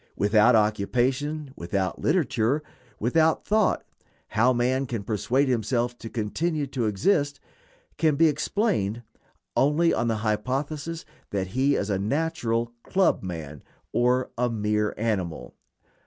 Without occupation, without literature, without thought, how man can persuade himself to continue to exist can be explained only on the hypothesis that he is a natural "club man," or a mere animal.